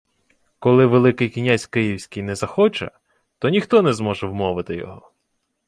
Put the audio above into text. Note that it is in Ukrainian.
— Коли Великий князь київський не захоче, то ніхто не зможе вмовити його.